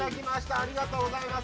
ありがとうございます。